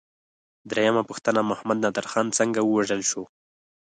درېمه پوښتنه: محمد نادر خان څنګه ووژل شو؟